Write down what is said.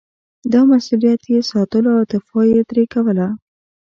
دا مسووليت یې ساتلو او دفاع یې ترې کوله.